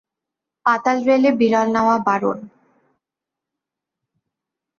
পাতাল রেলে বিড়াল নেওয়া বারণ।